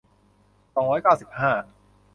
สองร้อยเก้าสิบห้า